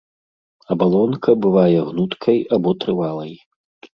Абалонка бывае гнуткай або трывалай.